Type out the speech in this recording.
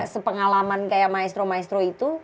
sepengalaman kayak maestro maestro itu